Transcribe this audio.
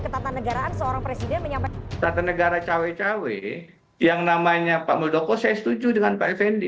tata negara cawe cawe yang namanya pak muldoko saya setuju dengan pak fendi